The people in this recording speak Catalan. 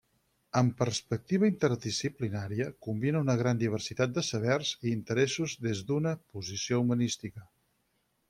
Amb perspectiva interdisciplinària, combina una gran diversitat de sabers i interessos des d'una posició humanística.